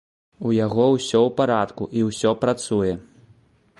У яго ўсё ў парадку, і ўсё працуе.